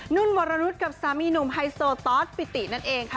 นุ่นวรนุษย์กับสามีหนุ่มไฮโซตอสปิตินั่นเองค่ะ